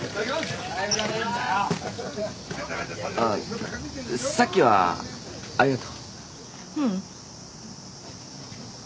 あっさっきはありがとう。